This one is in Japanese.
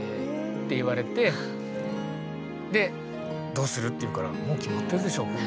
って言われて「どうする？」って言うから「もう決まってるでしょ」。